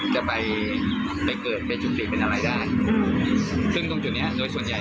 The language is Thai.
จะไปไปเกิดเป็นอะไรได้ซึ่งตรงจุดเนี้ยโดยส่วนใหญ่